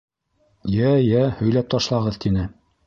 — Йә, йә, һөйләп ташлағыҙ! — тине.